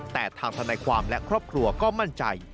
แต่ทางธนายความและครอบครัวก็มั่นใจ